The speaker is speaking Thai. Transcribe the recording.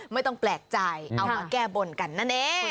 ไม่ต้องแปลกใจเอามาแก้บนกันนั่นเอง